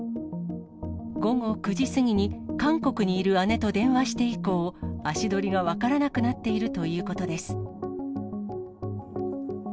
午後９時過ぎに、韓国にいる姉と電話して以降、足取りが分からなくなっているということです。